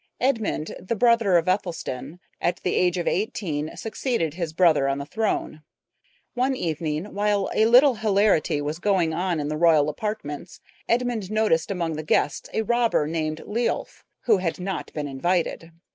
Edmund, the brother of Ethelstan, at the age of eighteen, succeeded his brother on the throne. One evening, while a little hilarity was going on in the royal apartments, Edmund noticed among the guests a robber named Leolf, who had not been invited.